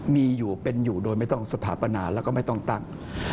มีอยู่เป็นอยู่โดยไม่ต้องสถาปนาแล้วก็ไม่ต้องตั้ง